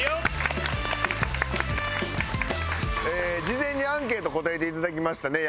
事前にアンケート答えていただきましたね